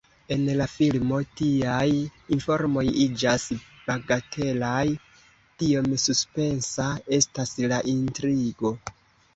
En la filmo tiaj informoj iĝas bagatelaj, tiom suspensa estas la intrigo.